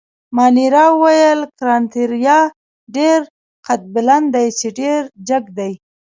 مانیرا وویل: ګراناتیریا ډېر قدبلند دي، چې ډېر جګ دي.